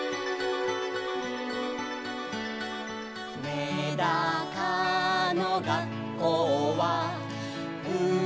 「めだかのがっこうはうれしそう」